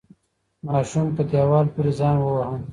ماشوم په دیوال پورې ځان وواهه.